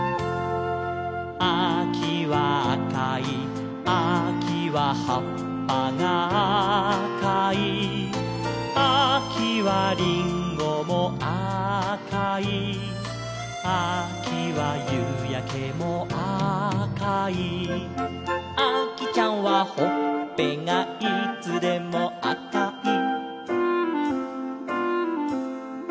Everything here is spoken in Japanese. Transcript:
「あきはあかい」「あきははっぱがあかい」「あきはりんごもあかい」「あきはゆうやけもあかい」「あきちゃんはほっぺがいつでもあかい」